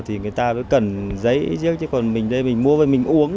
thì người ta vẫn cần giấy chứ còn mình đây mình mua và mình uống